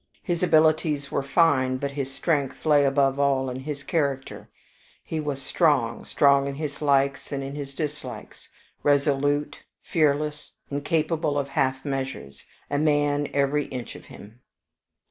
His abilities were fine, but his strength lay above all in his character: he was strong, strong in his likes and in his dislikes, resolute, fearless, incapable of half measures a man, every inch of him.